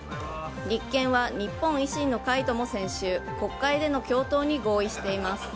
立憲は日本維新の会とも先週国会での共闘に合意しています。